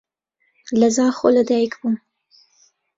لە زاخۆ لەدایک بووم.